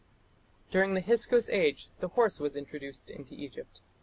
During the Hyksos Age the horse was introduced into Egypt.